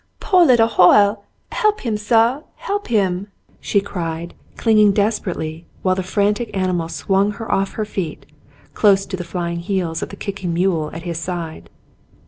"Poor little Hoyle! Help him, suh, help him!" she cried, clinging desperately, while the frantic animal swung her off her feet, close to the flying heels of the kicking mule at his side.